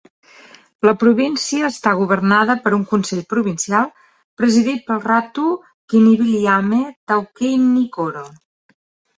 La província està governada per un Consell Provincial, presidit pel Ratu Kiniviliame Taukeinikoro.